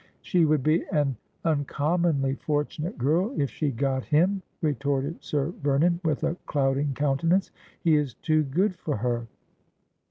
' She would be an uncommonly fortunate girl if she got him,' retorted Sir Vernon, with a clouding countenance ;' he is too good for her.'